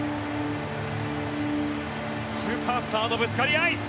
スーパースターのぶつかり合い